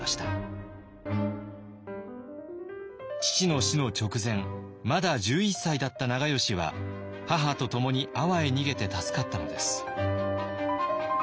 父の死の直前まだ１１歳だった長慶は母と共に阿波へ逃げて助かったのです。